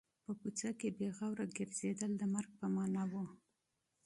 په کوڅه کې په بې احتیاطۍ ګرځېدل د مرګ په معنا و